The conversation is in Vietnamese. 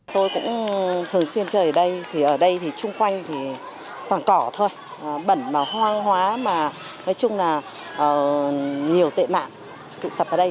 tôi cũng thường xuyên chơi ở đây thì ở đây thì chung quanh thì còn cỏ thôi bẩn mà hoang hóa mà nói chung là nhiều tệ nạn tụ tập ở đây